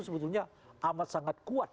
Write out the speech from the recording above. sebetulnya amat sangat kuat